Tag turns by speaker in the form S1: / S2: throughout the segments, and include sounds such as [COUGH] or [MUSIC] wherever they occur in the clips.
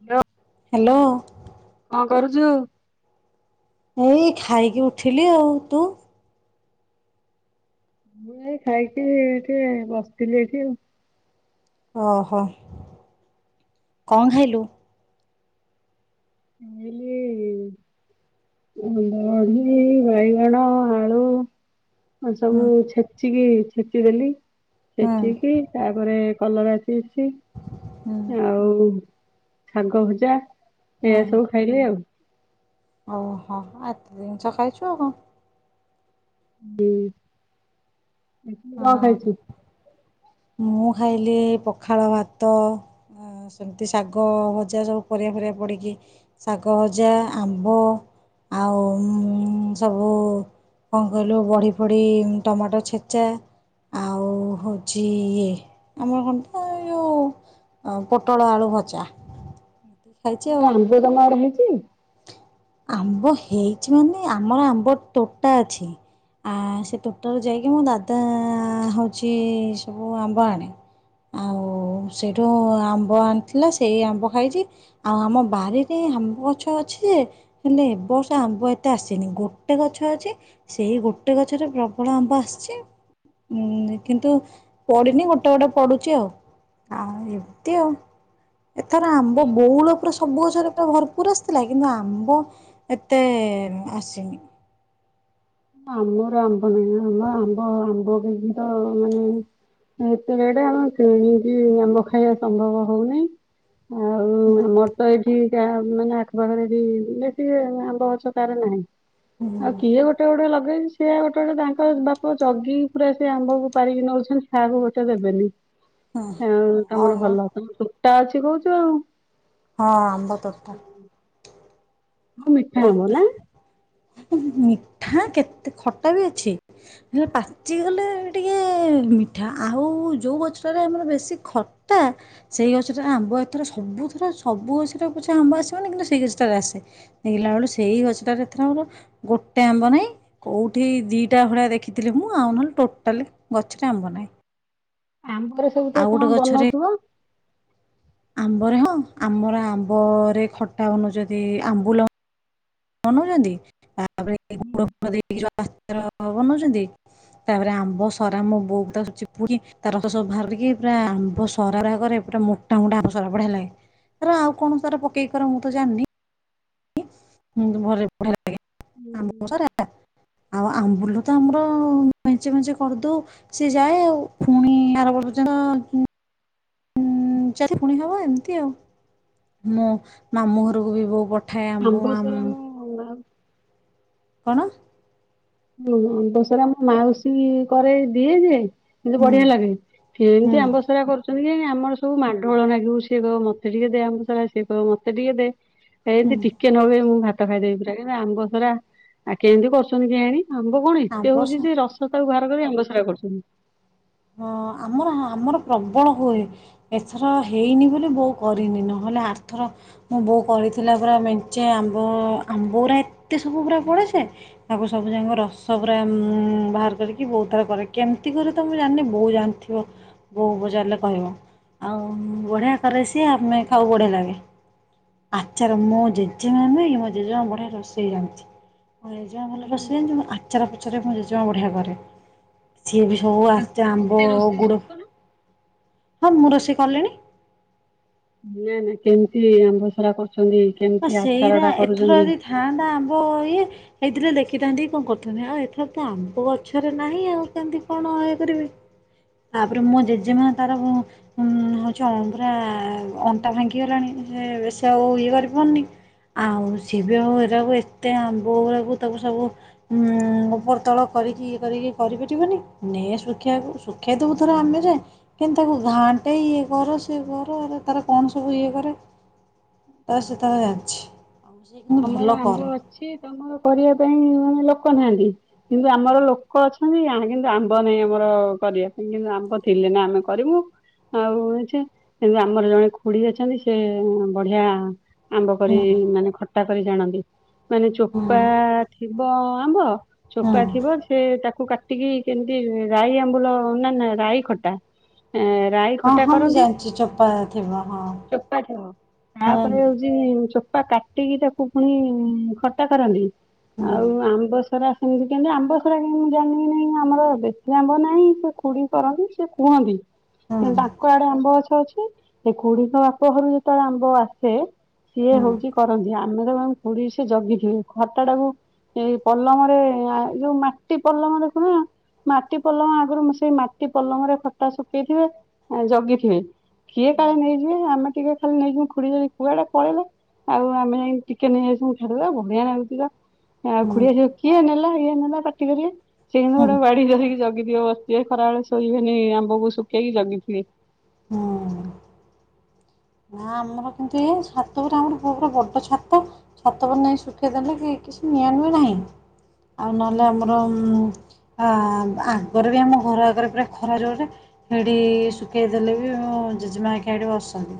S1: ହ [UNINTELLIGIBLE]
S2: ହ୍ୟାଲୋ।
S1: କଣ କରୁଛୁ?
S2: ଏଇ ଖାଇକି ଉଠିଲି ଆଉ ତୁ?
S1: ମୁଁ ଖାଇକି ଏଠି ବସିଥିଲି ଏଠି ଆଉ
S2: ଓହୋ କଣ ଖାଇଲୁ
S1: ଖାଇଲିି [INAUDIBLE] ଏଇ ବାଇଗଣ ଆଳୁ। ଆଁ
S2: ହୁଁ
S1: ସବୁ ଛେଚିକି? ଛେଚି ଦେଲି।
S2: ହୁଁ
S1: ଛେଚିକି ତାପରେ କଲରା ପିଇଛି
S2: ହୁଁ
S1: ଆଉ। ଶାଗ ଭଜା। ଏୟା
S2: ହୁଁ
S1: ସବୁ ଖାଇଲି ଆଉ।
S2: ଓହୋ ଏତେ ଜିନିଷ ଖାଇଛୁ ଆଉ କଣ।
S1: [INAUDIBLE] କଣ
S2: ହଁ
S1: ଖାଇଛୁ।
S2: ମୁଁ ଖାଇଲି ପଖାଳ ଭାତ ସେମିତି ଶାଗ ଭଜା ସବୁ ପରିବା ଫରିବା ପଡ଼ିକି ଶାଗ ଭଜା ଆମ୍ବ ଆଉ ସବୁ କଣ କହିଲୁ ବଢ଼ି ଫଢ଼ି ଟମାଟୋ ଛେ ଛେଚା ଆଉ ହଉଚି ଇଏ ଆମର କଣ ତ ଏଇ ଯୋଉ ପୋଟଳ ଆଳୁ ଭଜା। ଖାଇଛି ଆଉ
S1: ଆମ୍ବ ତମ ଆଡେ ହେଇଚି [UNINTELLIGIBLE]
S2: ଆମ୍ବ ହେଇଛି ମାନେ ଆମର ଆମ୍ବ ତୋଟା ଅଛି ଆ ସେ ତୋଟାରୁ ଯାଇକି ମୋ ଦାଦା ହଉଛି ସବୁ ଆମ୍ବ ଆଣେ ଆଉ ସେଇଠୁ ଆମ୍ବ ଆଣିଥିଲା ସେଇ ଆମ୍ବ ଖାଇଛି ଆଉ ଆମ ବାରିରେ ଆମ୍ବ ଗଛ ଅଛି ଯେ ହେଲେ ଏବ ବର୍ଷ ଆମ୍ବ ଏତେ ଆସିନି ଗୋଟେ ଗଛ ଅଛି ସେଇ ଗୋଟେ ଗଛରେ ପ୍ରବଳ ଆମ୍ବ ଆସିଛି ଉ କିନ୍ତୁ ପଡିିନି ଗୋଟେ ଗୋଟେ ପଡୁଛି ଆଉ ଏମିତି ଆଉ। ଏଥର ଆମ୍ବ ବଉଳ ପ୍ରସ ସବୁ ଗଛରେ ପୁରା ଭରପୁର ଆସିଥିଲା କିନ୍ତୁ ଆମ୍ବ ଏତେ ଏ ଆସିନି।
S1: ଆମର ଆମ୍ବ ନାହିଁ ଆ ଆମ୍ବ ଆମ୍ବ କି ତ ମାନେ ଏତେ ରେଟ ଆମେ କିଣିକି ଆମ୍ବ ଖାଇବା ସମ୍ଭବ ହଉନି। ଆଉ ଆମର ତ ଏଇଠି। ମାନେ ଆଖପାଖରେ ବି ବେଶି ଆମ୍ବ ଗଛ କାହାର ନାହିଁ। ଆଉ କିଏ ଗୋଟେ ଗୋଟେ
S2: ହୁଁ।
S1: ଲଗେଇଛି ସେ ଗୋଟେ ଗୋଟେ ତାଙ୍କ ବାପ ଜଗିକି ପୁରା ସେ ଆମ୍ବକୁ ପାରିକି ନଉଛନ୍ତି କାହାକୁ ଗୋଟେ ଦେବେନି। ହଁ ତମର
S2: ମ ହଁ
S1: ଭଲ ତ ଟା ଅଛି କୋଉଚୁ ଆଉ
S2: ହଁ ଆମ୍ବ ତୋଟା।
S1: ହଁ ମିଠା ଆମ୍ବ
S2: ତୋଟା
S1: ନା।
S2: ମିଠା କେତେ ଖଟା ବି ଅଛି ହେଲେ ପାଚି ଗଲେ ଟିକେ ମିଠା ଆଉ ଯୋଉ ଗଛଟାରେ ଆମର ବେଶୀ ଖଟା ସେଇ ଗଛଟା ଆମ୍ବ ଏଥର ସବୁଥର ସବୁ ଗଛଟା ପଛା ଆମ୍ବ ଆସିବନି କିନ୍ତୁ ସେଇ ଗଛଟାରେ ଆସେ। ଦେଖିଲା ବେଳୁ ସେଇ ଗଛଟାରେ ଏଥର ଆର ଗୋଟେ ଆମ୍ବ ନାହିଁ କେଉଁଠି ଦିଇଟା ଭଳିଆ ଦେଖିଥିଲି ମୁଁ ଆଉ ନହେଲେ ଟୋଟାଲି ଗଛରେ ଆମ୍ବ ନାହିଁ।
S1: ଆମ୍ବ ରେ ସବୁ ତ
S2: ଆଉ ଗୋଟେ
S1: କଣ
S2: ଗଛରେ
S1: ବନାଉଥିବ।
S2: ଆମ୍ବରେ ହଁ ଆମର ଆମ୍ବରେ ଖଟା ଯଦି ଆମ୍ବୁଲ ବନୋଉଚନ୍ତି [UNINTELLIGIBLE] ହଁ ଘରେ ବଢ଼ିଆ ଆମ୍ବ ସରା ଆଉ ଆମ୍ବୁଲ ତ ଆମର ମେଞ୍ଚେ ମେଞ୍ଚେ କରିଦଉ ସି ଯାଏ ଆଉ ପୁଣି ଆର ବର୍ଷ ହ ଯଦି ପୁଣି ହବ ଏମିତି ଆଉ ମୋ ମାମୁଁ ଘରକୁ ବି ବୋଉ ପଠା
S1: ଆମ୍ବ ସରା ମୁଁ ଭା
S2: କଣ
S1: ହୁଁ ଆମ୍ବସରା ମାଉସୀ କରେ ଦିଏ ଯେ ଏମତି
S2: ହୁଁ
S1: ବଢିଆ ଲାଗେ
S2: ହୁଁ
S1: ଏମିତି ଆମ୍ବସରା କରୁଛ ଆମର ସବୁ ମାଡ଼ ଗୋଳ ଲାଗିବୁ ସିଏ କହିବ ମତେ ଟିକେ ଦେ ଆମ୍ବସରା ସିଏ କ ମତେ ଟିକେ ଦେ। ଏ ଏମିତି
S2: ହୁଁ
S1: ଟିକେ ନବେ ମୁଁ ଭା ଭାତ ଖାଇଦେଇ ପୁରା କି ଆମ୍ବସରା ଆଉ କେମିତି କରୁଛନ୍ତି କେୟାଣୀ। ଆମ୍ବ କଣ ଏତେ
S2: ଆମ୍ବ
S1: ହଉଛି ଯେ ରସ ତାକୁ ବାହ ଆମ୍ବସରା କରୁଛନ୍ତି।
S2: ହଁ ଆମର ଆମର ପ୍ରବଳ ହୁଏ ଏଥର ହେଇନି ବୋଲି ବୋଉ କରିନି ନହେଲେ ଆରଥର ମୁଁ ବୋଉ କରିଥିଲା ପୁରା ମେଞ୍ଚେ ଆମ୍ବ ଆମ୍ବ ପୁରା ଏତେ ସବୁ ପୁରା ପଡେସେ ତାକୁ ସବୁ ଯାକ ରସ ପୁରା ବାହାର କରିକି ବୋଉ ଥର କରେ କେମିତି କରେ ତମ ଜାଣିନି ବୋଉ ଜାଣିଥିବ ବୋଉ ପଚାରିଲେ କହିବ ଆଉ ବଢିଆ କରେ ସିଏ ଆମେ ଖାଉ ବଢିଆ ଲାଗେ ଆଚାର ମୁଁ ଜେଜେମା ମୋ ଜେଜେମା ବଢିଆ ରୋଷେଇ ଜାଣିଛି। ମୋ ଜେଜେ ମା ଭଲ ରୋଷେଇ ଜାଣିଛି। ପଚରା ପଚରେ ମୁଁ ଜେଜେମା ବଢ଼ିଆ କରେ ସିଏ ବି
S1: ତାକୁ
S2: ସବୁ ଆମ୍ବ
S1: ଟିକେ ରୋଷେଇ
S2: ଗୁଡ଼
S1: ଶିଖଉନ।
S2: ହଁ ମୁଁ ରୋଷେଇ କଲିଣି।
S1: ନା ନା କେମିତି ଆମ୍ବସରା କରୁଛ
S2: ହଁ ସେଇଟା ଏଥର ଯଦି ଥାଆନ୍ତା ଆମ୍ବ ଇଏ ହେଇଥିଲେ ଦେଖ ଶଖିଥାନ୍ତି କଣ କରିଥାନ୍ତି ଆଉ ଏଥର ତ ଆମ୍ବ ଗଛରେ ନାହିଁ ଆଉ କେମତି କଣ ଇଏ କରିବି ତାପରେ ମୋ ଜେଜେମା ତାର ମ ମ ହଉଛି ପୁରା ଅଣ୍ଟା ଭାଙ୍ଗିଗଲାଣି ସେ ବେଶି ଆଉ ଇଏ କରିବି। ନି ଆଉ ସେ ବି ଆଉ ଏରାକୁ ଏତେ ଆମ୍ବ ଗୁରାକୁ ତାକୁ ସବୁ ଉପର ତଳ କରିକି ଇଏ କରିକି କରିପାରିବନି ନ ଶୁଖେଇକୁ ଶୁଖେଇ ଦବୁ ଧର ଆମେ ଯେ କିନ୍ତୁ ତାକୁ ଘାଣ୍ଟେ ଇଏ କର ସେ କର ତାର କଣ ସବୁ ଇଏ କରେ। ତ ସେ ତାର ଜାଣିଛି। ଆଉ ସେ କିନ୍ତୁ ଭଲ
S1: ତମର ଆମ୍ବ
S2: କରେ
S1: ଅଛି ତମ କରିବା ପାଇଁ ମାନେ ଲୋକ ନାହାନ୍ତି କିନ୍ତୁ ଆମର ଲୋକ ଅଛନ୍ତି ଆ କିନ୍ତୁ ଆମ୍ବ ନାହିଁ ଆମର କରିବା ପାଇଁ କିନ୍ତୁ ଆମ୍ବ ଥିଲେ ନା ଆମେ କରିବୁ ଆଉ ସେ କିନ୍ତୁ ଆମର ଜଣେ ଖୁଡି ଅଛନ୍ତି ସେ ବଢିଆ। ଆମ୍ବ ପରି
S2: ହୁଁ
S1: ମାନେ ଖ କରି ଜାଣନ୍ତି। ମାନେ
S2: ହୁଁ
S1: ଚୋପା ଥିବ ଆମ୍ୱ
S2: ହୁଁ
S1: ଚୋପା ଥିବ ସେ ତାକୁ କାଟି ଟିକେ କେମିତି ରାଇ ଆମ୍ବୁଲ ନା ନା ରାଇ ଖଟା। ରାଇ
S2: ହଁ
S1: ଖଟା
S2: ହଁ ମୁଁ
S1: କରନ୍ତି
S2: ଜାଣିଛି ଚୋପା ଥିବ ହଁ
S1: ଚୋପା ଥିବ ତାପରେ
S2: ହୁଁ
S1: ହଉଛି ପା ‌‌‍‌କା କାଟିକି ତାକୁ ପୁଣି ଖଟା କରନ୍ତି।
S2: ହୁଁ
S1: ଆଉ ଆମ୍ବ ସରା। ସେମିତି କେମତି ଆମ୍ବ ସଡ଼ା କିନ୍ତୁ ମୁଁ ଜାଣିବି ନାହିଁ ଆମର ବେଶୀ ଆମ୍ବ ନାହିଁ ସେ ଖୁଡ଼ି କରନ୍ତି ସେ କୁହନ୍ତି।
S2: ହୁଁ
S1: ତେଣୁ ତାଙ୍କ ଆଡେ ଆମ୍ବ ଗଛ ଅଛି। ସେ ଖୁଡିଙ୍କ ବାପ ଘରୁ ଯେତେବେଳେ ଆମ୍ବ ଆସେ। ସିଏ
S2: ହୁଁ।
S1: ହଉଛି। ଆମେ ତ ଖୁଡି ସେ ଜଗିଥିବେ, ଖଟାଟାକୁ ଏଇ ପଲମରେ ଯୋଉ ମାଟି ପଲମ ଦେଖୁନ ମାଟି ପଲମ ଆଗରୁ ସେଇ ମାଟି ପଲମରେ ଖଟା ଶୁଖେଇଥିବେ ଜଗିଥିବେ। କିଏ
S2: ହୁଁ
S1: କାଳେ ନେଇଯିବେ ଆମେ ଟିକେ ଖାଲି ନେଇକି ଖୁଡି କୁଆଡେ ପଳେଇଲେ। ଆଉ ଆମେ ଟିକେ ନେଇ ସବୁ ଛାଡିବା ବଢିଆ ଲାଗୁଥିଲା। ଆଉ
S2: ହୁଁ
S1: ଖୁଡି ଆସିବ କିଏ ନେଲା? କିଏ ନେଲା ପାଟି କରିବେ ସେ କିନ୍ତୁ ଗୋଟେ
S2: ହୁଁ
S1: ବାଡି ଧରିକି ଯଗିଥିବେ। ଗିଥିବ ବସିିବେ ଖରାବେେଳେ ଶୋଇବେନି ଆମ୍ବକୁ ଶୁଖେଇକି ଜଗିଥିବେ।
S2: ହଁ ନା ଆମର କିନ୍ତୁ ଏଇ ଛାତ ଉପୁର ଆମର ପୁରା ବଡ ଛାତ, ଛାତ ଉପରେ ନେଇ ଶୁଖେଇଦେଲେ କିଛି ନିଆ ନେଇ ନାହିଁ ଆଉ ନହେଲେ ଆମର ଆଗରେ ବି ଆମ ଘର ଆଗରେ ପୁରା ଖରା ଜୋରେ ସେଡି ଶୁଖେଇ ଦେଲେ ବି ଜେଜେମା ହେରିକା ସେଠି ବସନ୍ତି।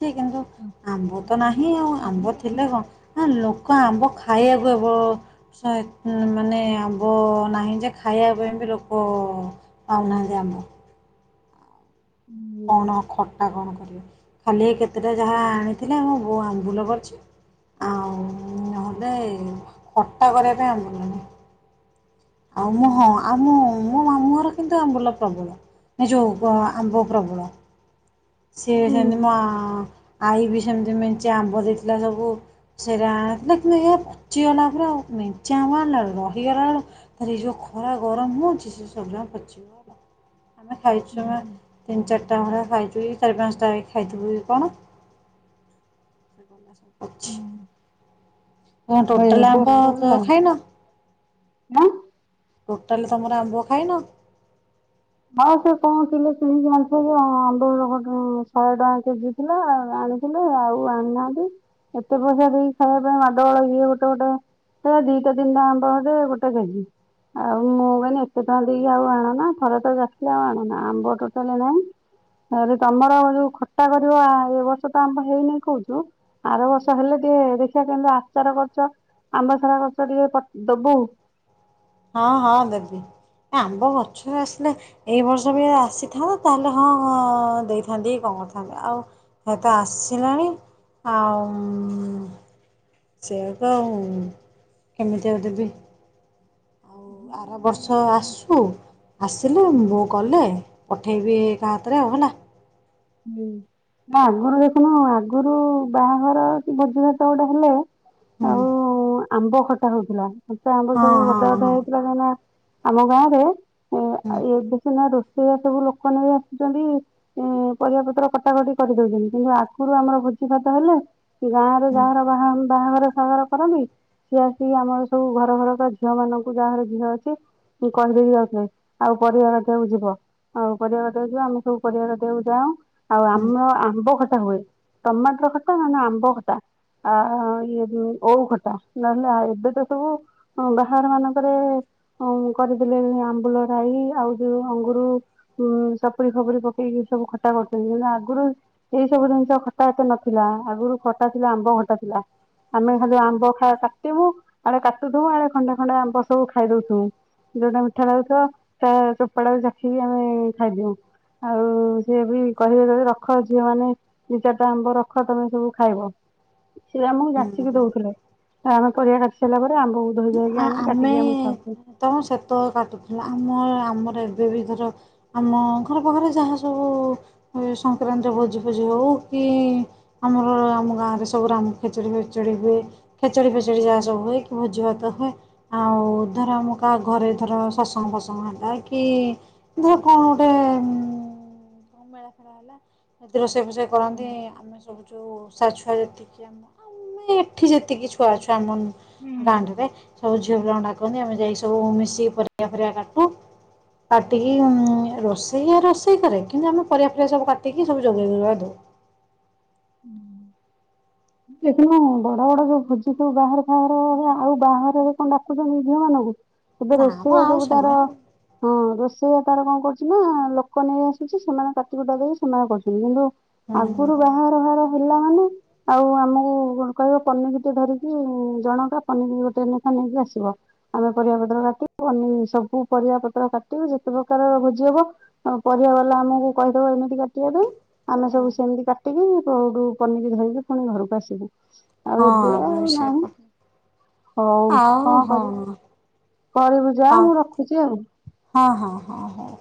S2: ସେ କିନ୍ତୁ ଆମବ। ତ ନାହିଁ ଆଉ ଆମ୍ବ ଥିଲେ କଣ ଲୋ ଲୋକ ଆମ୍ବ ଖାଇବାକୁ ଏ ବ ବର୍ଷ ଏତେ ମାନେ ଆମ୍ବ ନାହିଁ ଯେ ଖାଇବା ପାଇଁ ବି ଲୋକ ପାଉନାହାନ୍ତି ଆମ୍ବ।
S1: ହୁଁ।
S2: କଣ ଖଟା କଣ କରିବେ ଖାଲି କେତେଟା ଯାହା ଆଣିଥିଲେ ମୁଁ ବୋଉ ଆମ୍ବୁଲ କରିଛି, ଆଉ ନହେଲେ ଖଟା କରିବା ପାଇଁ ଆମ୍ବୁଲ ନାହିଁ। ଆଉ ମୁ ହଁ ଆଉ ମୁ ମୋ ମାମୁଁ ଘର କିନ୍ତୁ ଆମ୍ବୁଲ ପ୍ରବଳ ନି ଯୋଉ ଆମ୍ବ ପ୍ରବଳ। ସିଏ ବି
S1: ହୁଁ
S2: ସେମତି ମା ଆଈ ବି ସେମିତି ମେଞ୍ଚି ଆମ୍ବ ଦେଇଥିଲା ସବୁ ସେଟା ଆଣଥିଲା କିଇ ପଚିଗଲା ପରେ ଆଉ ମେଞ୍ଚି ଆମ୍ବ ଆଣିଲ ବେଳୁ ରହିଗଲା ବେଳୁ ତା ଏଇ ଯୋଉ ଖରା ଗରମ ହଉଛି ସେ ସବୁ ଯାକ ପଚିଗଲା। ଆମେ ଖାଇଛୁ ଆମେ ତିନି ଚାରିଟା ଭେଳିଆ ଖାଇଛୁ। [UNINTELLIGIBLE] ଚାରି ପାଞ୍ଚଟା ଖାଇଥିବୁ କଣ? [UNINTELLIGIBLE]
S1: [UNINTELLIGIBLE]
S2: କଣ
S1: ଏ
S2: ଟୋଟାଲ
S1: ବର୍ଷ
S2: ଆମ୍ବ ତ
S1: ଗଲା
S2: ଖାଇନ?
S1: ଆଁ
S2: ଟୋଟାଲି ତମର ଆମ୍ବ ଖାଇନ?
S1: ହଁ ସେ କଣ ଥିଲେ କିଣିକି ଆଣି ଯେ ଆମ୍ବ ଶହେ ଟଙ୍କା କେଜି ଥିଲାଉ ଆଣିଥିଲେ ଆଉ ଆଣିନାହାନ୍ତି। ଏତେ ପଇସା ଦେଇକି ଖାଇବା ପାଇଁ ମାଡ ଗଳ ଏ ଗୋଟେ ଗୋଟେ ଦିଟା ତିନିଟା ଆମ୍ବ ଗଟେ ଗୋଟେ କେଜି ଆଉ ମୁଁ କହିଲି ଏତେ ଟଙ୍କା ଦେଇକି ଆଉ ଆଣନା ଖରା ଲ ଆ ଆଣନା ଆମ୍ବ ଟୋଟାଲି ନାହିଁ ତମର ଯୋଉ ଖଟା କରିବ ଏ ବର୍ଷ ତ ଆମ୍ବ ହେଇନି କହୁଛୁ ଆର ବର୍ଷ ହେଲେ ଟିକେ ଦେଖିବା କେମିତିକ ଆଚାର କରଛ ଆମ୍ବ ସାରା କରଛ ଟିକେ ଦବୁ।
S2: ହଁ ହଁ ଦେବି ଆମ୍ୱ ପଛରେ ଆସିଲେ ଏଇ ବର୍ଷ ବି ଆସିଥାନ୍ତା। ତାହେଲେ ହଁ ଦେଇଥାନ୍ତି କଣ କରିଥାନ୍ତେ ଆଉ ହଏତ ଆସିଲାଣି ଆଉ ସେଆ ତ ଆଉ କେମିତି ଆଉ ଦେବି। ଆଉ ଆର ବର୍ଷ ଆସୁ ଆସିଲେ ବୋଉ କଲେ ପଠେଇବି କା ହାତରେ ଆଉ ହେଲା।
S1: ହୁଁ ନା ଆଗରୁ ଦେଖୁନୁ ଆଗରୁ ବାହାଘର କି ଭୋଜି ଭାତ ଗୋଟେ ହେଲେ
S2: ହଁ।
S1: ଆଉ ଆମ୍ବ ଖଟା ହଉଥିଲା ଆ ଆମ୍ୱ ସବୁ
S2: ହଁ
S1: ଗଦା ଗଦା
S2: ହଁ
S1: ହେଇଥିଲା କାଁକ ନା ଆମ ଗାଁ ରେ ଏ
S2: ହୁଁ
S1: ଏ ବି ସିନା ରୋଷେଇଆ ସବୁ ଲୋକମାନେ ଆସୁଛନ୍ତି ଏ ପରିବାପତ୍ର କଟାକଟି କରିଦେଉଛନ୍ତି। କିନ୍ତୁ ଆଗରୁ ଆମର ଭୋଜି ଭାତ ହେଲେ ଗାଁରେ
S2: ହୁଁ
S1: ଯାହାର ବା ବାହାଘର ସାଘର କରନ୍ତି ସିଏ ଆସିକି ଆମର ସବୁ ଘର ଘର ବା ଝିଅମାନଙ୍କୁ ଯାହାର ଝିଅ ଅଛି କହିଦେଇକ ଯାଉଥିଲେ ଆଉ ପରିବା କାଟିଆକୁ ଯିବ ଆଉ ପରିବା କଟକୁ ଯିବ ଆମେ ସବୁ ପରିବାକାଟିବାକୁ ଯାଉଁ ଆଉ
S2: ହୁଁ
S1: ଆମ ଆମ୍ବ ଖ ଖଟ ହୁଏ ଟମାଟର ଖଟା, ନ ଆମ୍ବ ଖଟା ଆଉ ଓଉ ଖଟା, ନହେଲେଉ ଏବେ ତ ସବୁ ବାହାରର ମାନଙ୍କରେ କରିଦେଲେ ଆମ୍ବୁଳ ରାଇ, ଆଉ ଯୋଉ ଅଙ୍ଗୁର, ସପୁରି ଫପୁରି ପକେଇକି ସବୁ ଖଟା। ଖଟା କରୁଛନ୍ତି। କିନ୍ତୁ ଆଗରୁ ଏଇ ସବୁ ଜିନିଷ ଖଟା ଏତେ ନଥିଲା ଆଗରୁ ଖଟା ଥିଲା ଆମ୍ବ ଖଟା ଥିଲା ଆମେ ଖାଲି ଆମ୍ବ କାଟିବୁ ଆଡ଼େ କାଟୁଥଉୁ ଆଡ଼େ ଖଣ୍ଡେ ଖଣ୍ଡେ ଆମ୍ବ ସବୁ ଖାଇଦଉଥିବୁ। ଯୋଉଟା ମିଠା ଲାଗୁଥ ସେ ଚୋପାଟାକୁ ଚାଖି ଆମେ ଖାଇଦଉ ଆଉ ସିଏ ବି କହିବେ ଯ ରଖ ଝିଅ ମାନେ ଦି ଚାରିଟା ଆମ୍ବ ରଖ ତମେ ସବୁ ଖାଇବ। ସେ ଆମକୁ ଯାଚିକି
S2: ହୁଁ।
S1: ଦଉଥିଲେ। ଆମେ ପରିବା କାଟି ସାରିଲା ପରେ ଆମ ବହୁ
S2: ଆ ଆମେ ତମ ସେତେବେଳ କାଟୁଥିଲ ଆମ ଆମର ଆର ଏବେ ବି ଧର ଆମ ଘର ପାଖରେ ଯାହା ସବୁ ସଂକ୍ରାନ୍ତିର ଭୋଜି ଭୋଜି ହେଉ କି ଆମର ଆମ ଗାଁରେ ସବୁ ଆମ ଖେଚୁଡ଼ି ଫେଚୁଡ଼ି ହୁଏ ଖେଚଡ଼ି ଫେଚାଡ଼ି ଯାହା ସବୁ ହୁଏ କି ଭୋଜି ଭାତ ହୁଏ। ଆଉ ଧର ଆମ କାହା ଘରେ ଧର ଶସଙ୍ଗ ଫସଙ୍ଗ ହେଲା କି ଧର କଣ ଗୋଟେ ଉ ମେଳା ଫେଳା ହେଲା ଯି ରୋଷେଇ ଫୋଷେଇ କରନ୍ତି। ଆମେ ସବୁ ଯୋଉ ସ ଛୁଆ ଯେତିକି ଆମ ଆମେ ଏଠି ଯେତିକି ଛୁଆଛୁଆ ଆମ ଗାଁ ରେ ସବୁ ଝିଅ ପିଲାଙ୍କୁ ଡାକନ୍ତି ଆମେ ଯାଇକ ସବୁ ମିଶିକି ପରିବା ପରିବା କାଟୁ କାଟିକି ରୋଷେଇ ରୋଷେଇ କରେ କିନ୍ତୁ ଆମେ ପରିବା ଫରିବା ସବୁ କାଟିକି ସବୁ ଯୋଗେଇ ଯୁଗେ ଦଉ।
S1: ଦେଖିନୁ ବଡ ବଡ ଯୋଉ ଭୋଜି ସବୁ ବାହାରେ ଖାରେ ଆଉ ବାହାରେ କଣ ଡାକୁଛ ଝିଅ ମାନଙ୍କୁ ଏବେ
S2: ନା ମ
S1: ରୋଷେଇଆ
S2: ଆଉ
S1: ସବୁ ତାର
S2: ସେମିତି
S1: ହଁ ରୋଷେଇଆ ତାର କଣ କରୁଛି ନା ଲୋକ ନେଇ ଆସୁଛି ସେମାନେ କାଟିକୁଟ ଦେଇକି ସେମାନେ କରୁଛନ୍ତି କିନ୍ତୁ
S2: ହୁଁ
S1: ଆଗରୁ ବା ହେଲା ମାନେ ଆଉ ଆମକୁ କହିବ ପନିକି ଟେ ଧରିକି ଜଣକା ପନିକି ଗୋଟେ ଲେଖା ନେଇକି ଆସିବ। ଆମେ ପରିବାପତ୍ର କାଟିବୁ ପନିିକି ସବୁ ପରିବା ପତ୍ର କାଟିବୁ ଯେତେ ପ୍ରକାର ଭୋଜି ହବ ପରିବା ବାଲା ଆମକୁ କହିଦବ ଏମିତି କାଟିବା ପାଇଁ ଆମେ
S2: ହୁଁ
S1: ସବୁ ସେମିତି କା ଏ କେଉଠୁ ପନିକିଧରିକି ପୁଣି ଘରକୁ ଆସିବୁ।
S2: ହଁ
S1: ଆଉ ଏବେ
S2: ଆମେ ବି
S1: ଆଉ
S2: ସେୟା
S1: ନାହିଁ
S2: କରୁ।
S1: ହଉ କଣ
S2: ଆଉ ହଁ
S1: କରିବୁ। କରିବୁ ଯା
S2: ହଁ
S1: ମୁଁ ରଖୁଛି ଆଉ।
S2: ହଁ ହଁ ହଁ ହଉ।